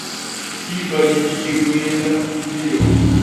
Diba didi dibuela kudilolo.